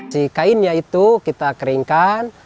si kainnya itu kita keringkan